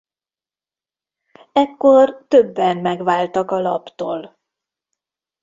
Ekkor többen megváltak a laptól.